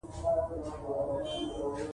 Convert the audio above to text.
افغانستان د پابندی غرونه له مخې پېژندل کېږي.